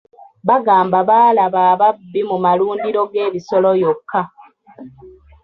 Bagamba baalaba ababbi mu malundiro g'ebisolo yokka.